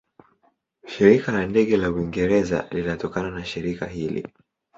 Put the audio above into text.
Shirika la Ndege la Uingereza linatokana na shirika hili.